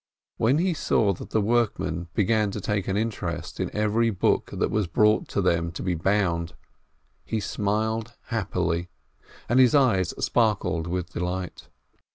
When he saw that the workmen began to take interest in every book that was brought them to be bound, he smiled happily, and his eyes sparkled with delight.